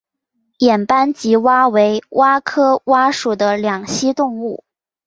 眼斑棘蛙为蛙科蛙属的两栖动物。